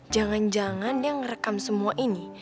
jangan jangan dia ngerekam semua ini